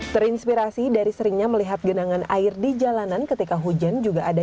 terinspirasi dari seringnya melihat genangan air di jalanan ketika hujan juga ada